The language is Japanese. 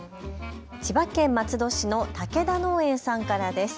千葉県松戸市の武田農園さんからです。